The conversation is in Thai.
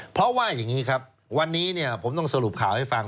เพราะว่าอย่างนี้ครับวันนี้เนี่ยผมต้องสรุปข่าวให้ฟัง